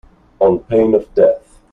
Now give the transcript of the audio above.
On pain of death.